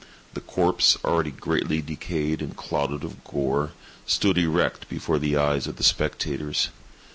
The corpse, already greatly decayed and clotted with gore, stood erect before the eyes of the spectators.